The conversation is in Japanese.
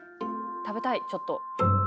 食べたいちょっと。